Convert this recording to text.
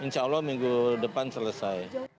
kalau minggu depan selesai